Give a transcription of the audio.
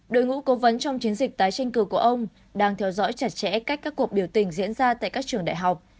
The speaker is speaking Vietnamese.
đội ngũ cố vấn trong chiến dịch tái tranh cử của ông đang theo dõi chặt chẽ cách các cuộc biểu tình diễn ra tại các trường đại học